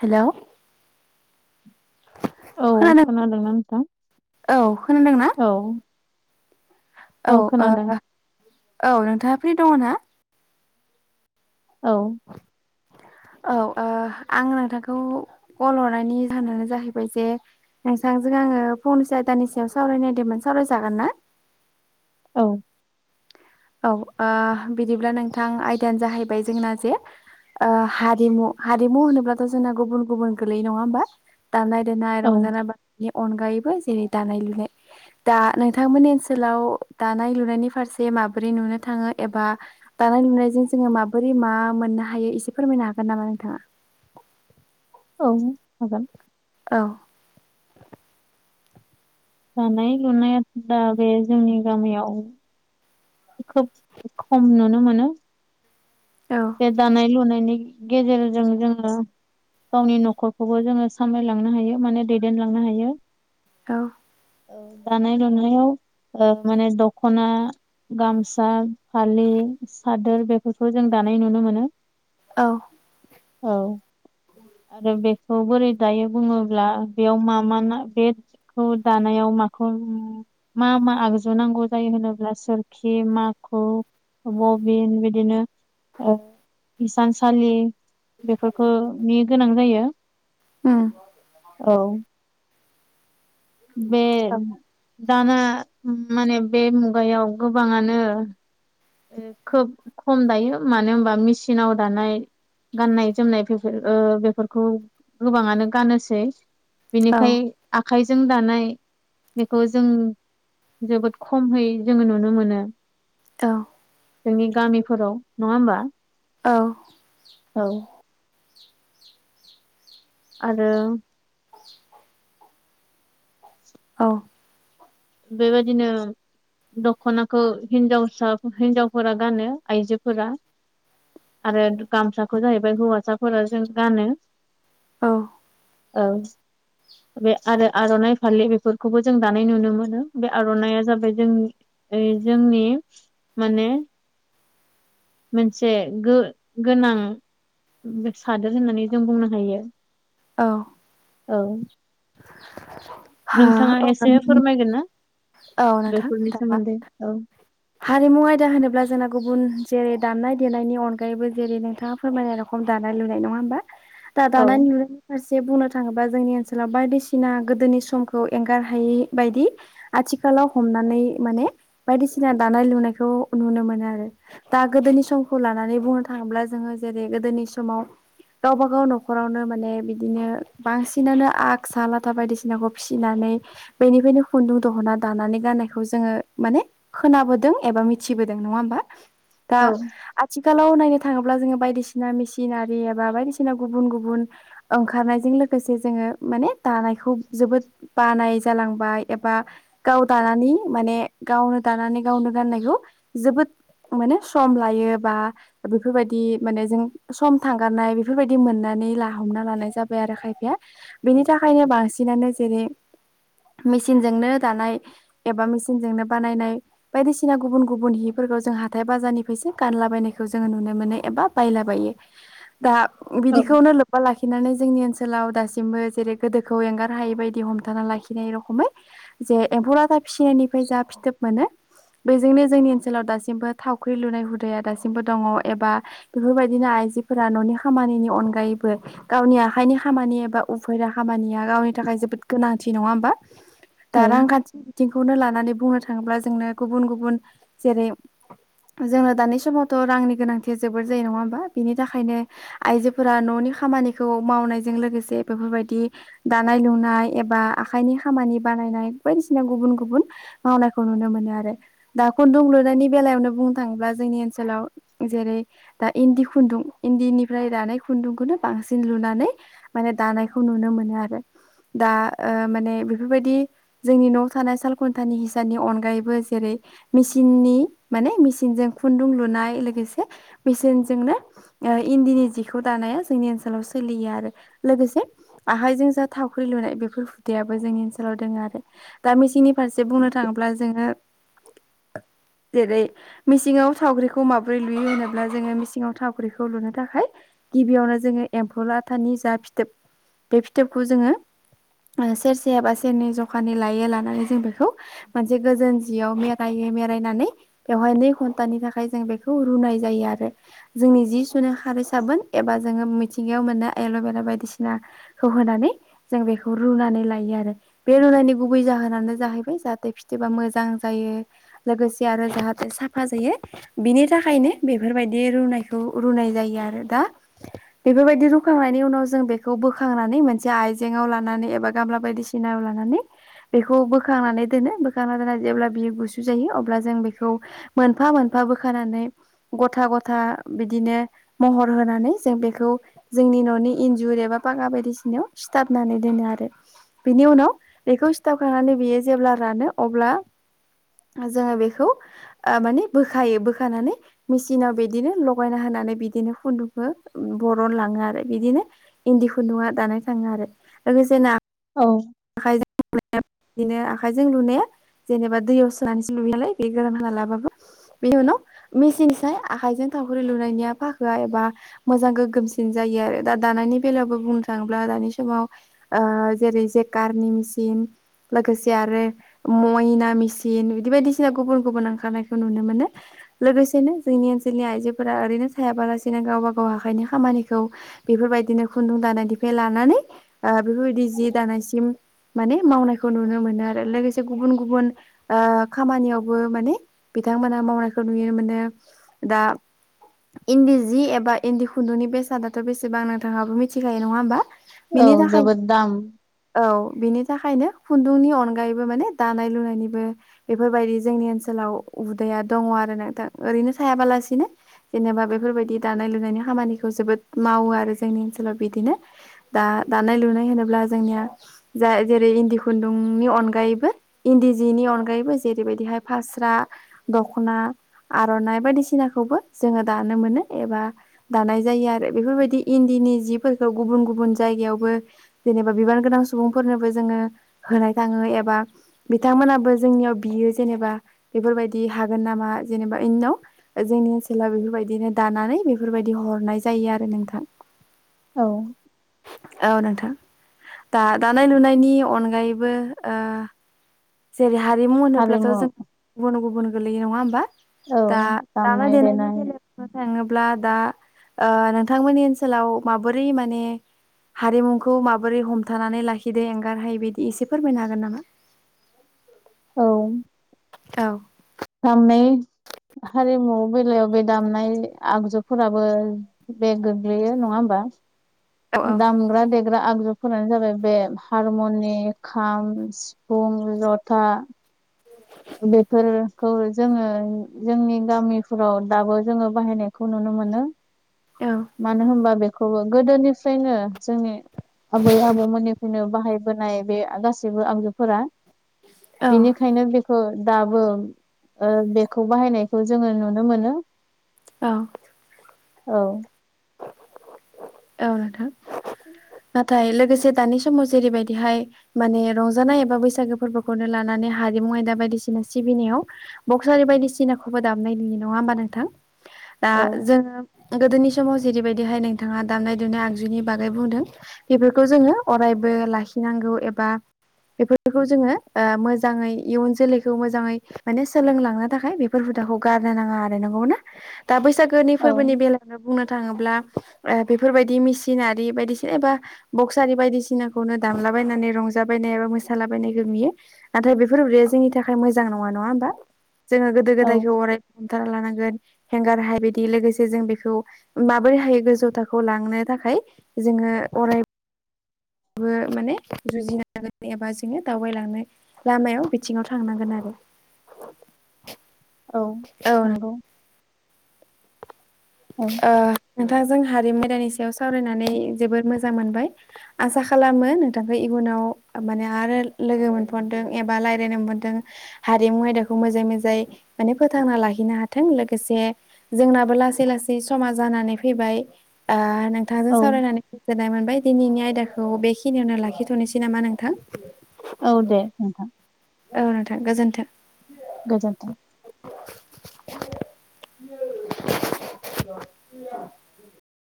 हेल' औ खोनादोंना नोंथां औ खोनादोंना औ औ औ नोंथाङा फ्रि दङ ना? औ औ आं नोंथांखौ कल हरनायनि जाहोनानो जाहैबाय जे नोंथांजों आङो फंनैसो आयदानि सायाव सावरायनो नागिरदोंमोन सावरायजागोन ना? औ औ बिदिब्ला नोंथां आयदायानो जाहैबाय जोंना जे हारिमु हारिमु होनोब्लाथ' जोंना गुबुन गुबुन गोलैयो नङा होमबा दामनाय देनाय औ रंजानाय बेनि अनगायैबो जेरै दानाय लुनाय दा नोंथांमोननि ओनसोलाव दानाय लुनायनि फारसे माबा माबोरै नुनो थाङो एबा दानाय लुनायजों जोङो माबोरै मा मोननो हायो एसे फोरमायनो हागोन नामा? दा औ हागोन औ दानाय लुनाया दा बे जोंनि गामियाव खोब खम नुनो मोनो। औ बे दानाय लुनायनि गेजेरजों जोङो गावनि न'खरखौबो जोङो सामलायलांनो हायो माने दैदेनलांनो हायो। औ औ दानाय लुनायाव माने दख'ना गामसा फालि सादोर बेफोरखौ जों दानाय नुनो मोनो। औ औ आरो बे बोरै दायो बुङोब्ला बेयाव मा मा बेखौ दानायाव माखौ- मा मा आगजु नांगौ जायो होनोब्ला सोर खि, माखु, बबिन बिदिनो ओ हिसानसालि बेफोरखौनि गोनां जायो। उम औ बे औ दाना माने बे मुगायाव गोबाङानो खोब खम दायो मानो होनबा मेचिनाव दानाय गाननाय जोमनाय बेफोर ओ बेफोरखौ गोबाङानो गानोसै औ बिनिखाय आखाइजों दानाय बेखौ जों जोबोद खमहै जोङो नुनो मोनो। औ जोंनि गामिफोराव नङा होमबा? औ औ आरो। औ बेबायादिनो दख'नाखौ हिनजावसा हिनजावफोरा गानो आइजोफोरा आरो गामसाखौ जाहैबाय हौवासाफोर जों गानो। औ औ बे आरो आर'नाइ फालि बेफोरखौबो जों दानाय नुनो मोन मोनो बे आर'नाया जाबाय जोंनि जोंनि माने मोनसे गो- गोनां सादोर होननानै जों बुंनो हायो। औ औ नोंथाङा एसे फोरमायगोन ना औ नोंथां बेफोरनि दा सोमोन्दै औ हारिमु आयदा होनोब्ला जोंना गुबुन जेरै दामनाय देनायनि अनगायैबो जेरै नोंथाङा फोरमायनाय रखम दानाय लुनाय नङा होमबा-? दा औ दानाय लुनायनि फारसे बुंनो थाङोबा जोंनि ओनसोलाव बायदिसिना गोदोनि समखौ एंगारहायै बायदि आथिखाल लाव हमनानै बायदिसि सिना दानाय लुनायखौ नुनो मोनो आरो दा गोदोनि समखौ लानानै बुंनो थाङोब्ला जोङो जेरै गोदोनि समाव गावबाागाव न'खरावनो माने बिदिनो बांसिनानो आग सा लाथा बायदिसिनाखौ फिसिनानै बेनिफ्रायनो खुन्दुं दहना दानानै गाननायखौ जोङो माने खोनाबोदों एबा मिथिबोदों नङा होमबा दा औ आथिखालाव नाय नो थाङोब्ला जोङो बायदिसिना मेसिन एबा बायदिसिना गुबुन गुबुन ओंखारनायजों लोगोसे जों। माने दानायखौ जोबोद बानाय जालांबाय एबा गाव दानानै माने गावनो दानानै गावनो गाननायखौ जोबोद माने सम लायो बा बेफोरबायदि माने जों सम थांगारनाय बेफोरबायदि मोननानै ला हमना लानाय जाबाय आरो खायफाया बेनि थाखायनो बांसिनानो जेरै मेसिनजोंनो दानाय एबा मेचनजोंनो बानायनाय बायदिसिना गुबुन गुबुन हिफोरखौ जों हाथाय बाजारनिफ्रायसो गानला बबायनायखौ जोङो नुनो मोनो। एबा बायला हायो दा औ बिदिखौनो लोब्बा लाखिनानै जोंनि ओनसोलाव दासिमबो जेरै गोदोखौ एंगार हायै बायदि हमथाना लाखिनाय रखमै जे बरादा फिसिनायनिफ्राय जा फिथोब मोनो बेजोंनो जोंनि ओनसोलाव दासिमबो थावख्रि लुनाय हुदाया दासिमबो दङ एबा बेफोरबायदिनो आइ जोफोरा न'नि खामानिनि अनगायैबो गावनि आखाइनि खामानि एबा उफेरा खामानिया गावनि थाखाय थाखाय जोबोद गोनांथि नङा होमबा दा औ रांखान्थि बिथिंखौनो लानानै बुंनो थाङोला जोंनो गुबुन गुबुन जेरै जोंनो दानि समावथ' रांनि गोनांथिया जोबोर जायो नङा होमबा बिनि थाखायनो आइजोफोरा न'नि खामानिखौ मावनायजों लोगोसे बेफोरबायदि दानाय लुनाय एबा आखाइनि खामानि बानायनाय बायदिसिना गुबुन गुबुन मावनायखौ नुनो मोनो। आरो दा खुन्दुं लुनायनि बेलायावनो बुंनो थाङोब्ला जोंनि ओनसोलाव जेरै दा इन्दि खुन्दुं इन्दिनिफ्राय दानाय खुन्दुंखौनो बांसिन लुनानै माने दानायखौ नुनो मोनो आरो। दा माने बेफोरबायदि जोंनि न'आव थानाय सालखुन्थानि हिसाननि अनगायैबो जेरै मेसिननि माने मेचिनजों खुन्दुं लुनाय लोगोसे मेचिन जोंनो इन्दिनि जिखौ दानाया जोंनि ओनसोलाव सोलियो। आरो लोगोसे आखायजों जा थावख्रि लुनाय बेफोर हुदायाबो जोंनि ओनसोलाव दङ आरो दा मेसेंनि फारसे बुंनो थाङोब्ला जोङो जेरै मिेसिङाव सावख्रिखौ माबोरै लुयो होनोब्ला जोङो मिसिङाव सावख्रिखौ लुनो थाखय गिबियावनो जोङो एम्फौ लाथानि जा फिथोब बे फिथोबखौ जोङो सेरसे एबा सेरनै जखानि लायो। लानानै जों बेखौ मोनसे गोजोन जियाव मेरायो मरायायनानै बेवहाय नै घन्टानि थाखाय जों बेखौ रुनाय जायो। आरो जोंनि जि सुनो हार साबोन एबा जोङो मिथिंगायाव मोनो एल'भेरा बायदिसिना खौ होनानै जों बेखौ रुनानै लायो आरो बे रुनायनि गुबै जाहोनानो जाहैबाय जाहाथे जेबा मोजां जायो लोगोसे आरो जाहाथे साफा जायो बिनि थाखायनो बेफोरबायदि बिदि रुनायखौ रुनाय जायो आरो दा बेफोरबायदि रुखांनायनि उनाव जों बेखौ बोखांनानै बा मोनसे आइजेंआव लानानै बा खामब्ला बायदिसिनायाव लानानै बेखौ बोखांनानै दोनो। जेब्ला बियो गुसु जायो अब्ला जों बेखौ मोनफा मोनफा बोखानानै गथ गथा [unintelligible] बिदिनो महर होनानै जों बेखौ जोंनि न'नि इन्जुर एबा फागखा बायदिसिना सिथाबनानै दोनो आरो बिनि उनाव बेखौ सिथाबखनानै बियो जेब्ला रानो अब्ला जोङो बेखौ माने बोखायो बोखानानै मेसिनाव बिदिनो लगायना होयो। बिदिनो खुन्दुंखौ बरन लाङो आरो बिदिनो इन्दि खुन्दुआ दानाय थाङो आरो [unintelligible] औ आखाइजों बिदिनो आखाइजों लुनाय जेनेबा दैयाव सोनानैसो लुैयोनालाय बे गोरान होना लाबाबो बे उनाव मेचिन साय आखाइजों थावख्रि लुनायनिया फाखोआ एबा मोजां गोगोमसिन जायो दा दानायनि बेलायावबो बुंनो थाङोब्ला दानि समाव ओ जेरै जेक कारनि मेचिन लोगोसे आरो मइना मेचिन बिदि बायदिसिना गुबन गुबुन [unintelligible] नुनो मोनो लोगोसेनो जोंनि ओनसोलनि आइजोफोरा ओरैनो थायाबालासिनो गावबा गाव हाइ खामानि फोरखौ बेफोरबायदिनो खुन्दुं दानायनिफ्राय लानानै जि दानायसिम [unintelligible] माने मावनायखौ नुनो मोनो लोगोसे गुबुन गुबुन ओ खामानियावबो माने बिथांमोनहा बिथांमोना मावनायखौ नुनो मोनो दा इन्दि जि एबा इन्दि खुन्दुंनि बेसादाथ' बेसेना बेसेबां नोंथाङाबो मिथिखायो नङा होमबा? बिनि औ थाखायनो जोबोद दाम औ बिनि थाखायनो खुन्दुंनि अनगायैबो माने दानाय लुनायनिबो बेफोरबायदि जोंनि ओनसोलाव उदैया दङ आरो नोंथां ओरैनो थायाबालासिनो जेनेबा बेफोरबायदि दानाय लुनायनि खामानिखौ जोबोद मावो आरो जोंनि ओनसोलाव बिदिनो दा दानाय लुनाय होनोब्ला जोंनिया जेरै इन्दि खुन्दुंनि अनगायैबो इन्दि जिनि अनगायैबो जेरैबायदिहाय फास रा दखना आर'नाइ बायदिसिनाखौबो जोङो दानो मोनो एबा बेफोर बादि इन्दिनि जिफोरखौ गुबुन गुबुन जायगायावबो जेनेबा सुबुंफोरनोबो जोङो होनाय थाङो एबा बिथांमोनाबो जोंनियाव बियो जेनेबा बेफोरबायदि हागोन नामा जेनेबा इनिनाव जोंनि ओनसोलाव बेफोरबायदिनो दानानै बेफोरबायदि हरो हरनाय जायो आरो नोंथां। औ औ नोंथां दा दानाय लुनायनि अनगायैबो जेरै हारिमु होनोब्लाथ' हारिमु जों गुबुन गुबुन गोलैयो नङा होमबा? औ दा दामनाय देनायनि बेलायाव बुंनो थाङो ब्ला दा ओ नोंथांमोननि ओनसोलाव माबोरै माने हारिमुखौ माबोरै हम थनानै लाखिदों एंगारहायै बायदि एसे फोरमायनो हागोन नामा? औ औ [unintelligible] हारिमु बेलायाव बे दामनाय आगजुफोराबो बे गोग्लैयो नङा होमबा? औ [unintelligible] दामग्रा दे ग्रा आगजुफोरानो जाबाय बे हारमनि खाम सिफुं जथा बेफोरखौ जोङो जोंनि गामिफोराव दाबो जोङो बाहायनायखौ नुनो [unintelligible] मोनो औ मानो होमबा बेखौबो गोदोनिफ्रायनो जोंनि आबै आबौमोननिफ्रायनो बाहायबोनाय बे गासैबो आगजुफोरा औ बेनिखायनो बे खौ दाबो बेखौ बाहायनायखौ जोङो नुनो मोनो। औ। औ। औ नोंथां। [inaudible] नाथाय लोगोसे दानि समाव जेरैबायदिहाय माने रंजानाय एबा बैसागो फोरबोखौनो लानानै हारिमु मु आयदा बायदिसिना सिबिनायाव बक्सआरि बायदिसिनाखौबो दामनाय नुयो नङा होमबा नोंथां? दा औ जोङो गोदोनि समाव जेरैबायदिहाय नोंथाङा दामनाय देनाय आगजुनि बागै बुंदों बेफोरखौ जोङो अरायबो लाखि फिननांगौ एबा बेफोरखौ जोङो ओ मोजाङै इयुन जोलैखौ मोजाङै माने सोलोंलांनो थाखाय बेफोर खौ गारनो नाङा आरो नंगौ ना दा बैसागोनि औ फोरबोनि बेलायावनो बुंनो थाङोब्ला बेफोरबादि मेसिनारि बायदिसिना एबा बक्सआरि बायदिसिनाखौनो दाम लाबायनानै रंजाबायनाय एबा मोसालाबायनायखौ नुयो नाथाय बेफोर [unintelligible] जोंनि थाखाय मोजां नङा नङा होमबा? जोङो गोदो औ गोदायखौ अराय हमथाना लानांगोन हेंगारहायि बायदि लोगोसे जों बेखौ माबोरै हायो गोजौ थाखोआव लांनो थाखाय जोङो अराय बो माने जुजिनांगोन एबा जोङो दावबायलांनो लामायाव बिथिङाव थांनांगोन आरो। [inaudible] औ नंगौ। औ ओ नोंथांजों हारिमु आयदानि सायाव सावरायनानै जोबोद मोजां मोनबाय आसा खालामो नोंथांखौ इयु नाव माने आरो लोगो [unintelligible] एबा रायलायनो [unintelligible] हारिमु आयदाखौ मोजाङै मो जाय माने फोथांना लाखिनो हाथों लोगोसे जोंनाबो लासै लास सै समा जानानै फैबाय ओ नोंथांजों औ सावरायनानै गोजोननाय मोन बाय दिनैनि आयदाखौ बेखिनियावनो लाखिथ'नोसै नामा नोंथां? औ दे नोंथां। औ नोंथां गोजोन्थों। गोजोनथों। [inaudible]